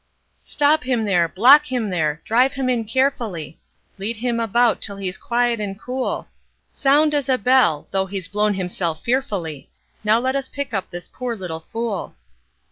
'Stop him there! Block him there! Drive him in carefully, Lead him about till he's quiet and cool. Sound as a bell! though he's blown himself fearfully, Now let us pick up this poor little fool.